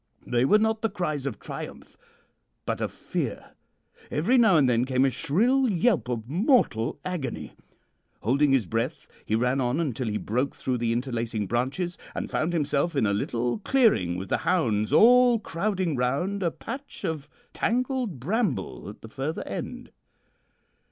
They were not the cries of triumph, but of fear. Every now and then came a shrill yelp of mortal agony. Holding his breath, he ran on until he broke through the interlacing branches, and found himself in a little, clearing with the hounds all crowding round a patch of tangled bramble at the further end.